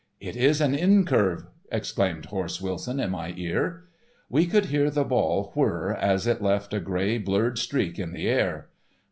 "It is an in curve!" exclaimed "Horse" Wilson in my ear. We could hear the ball whir as it left a grey blurred streak in the air.